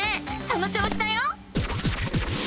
その調子だよ！